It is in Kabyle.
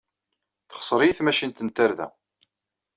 Texṣer-iyi tmacint n tarda.